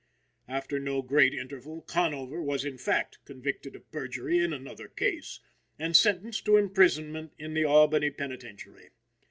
After no great interval, Conover was, in fact, convicted of perjury in another case, and sentenced to imprisonment in the Albany penitentiary.